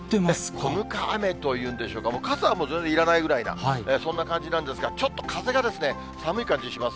小ぬか雨というんでしょうか、傘、いらないぐらいな、そんな感じなんですが、ちょっと風が寒い感じします。